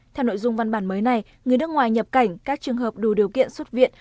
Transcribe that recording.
theo nội dung văn bản mới này người nước ngoài nhập cảnh các trường hợp đủ điều kiện xuất viện